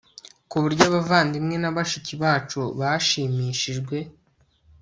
ku buryo abavandimwe na bashiki bacu bashimishijwe